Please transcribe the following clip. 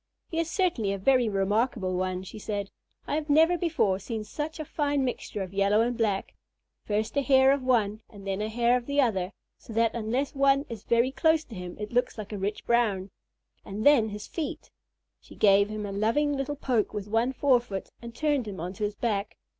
"He is certainly a very remarkable one," she said. "I never before saw such a fine mixture of yellow and black, first a hair of one and then a hair of the other, so that, unless one is very close to him it looks like a rich brown. And then his feet!" She gave him a loving little poke with one forefoot and turned him onto his back.